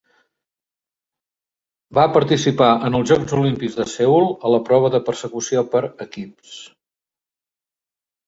Va participar en els Jocs Olímpics de Seül a la prova de Persecució per equips.